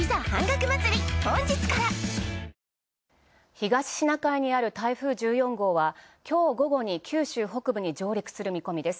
東シナ海にある台風１４号は今日午後に九州北部に上陸する見込みです。